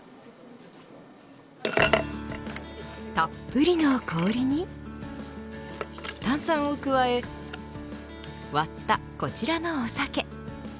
たっぷりの氷に炭酸を加え割ったこちらのお酒。